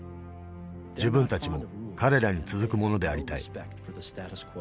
自分たちも彼らに続く者でありたい。